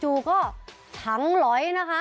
อยู่ก็ถังหลอยนะคะ